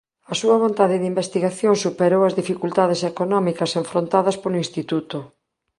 A súa vontade de investigación superou ás dificultades económicas enfrontadas polo Instituto.